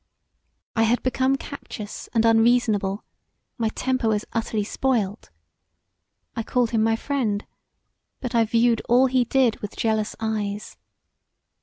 I had become captious and unreasonable: my temper was utterly spoilt. I called him my friend but I viewed all he did with jealous eyes.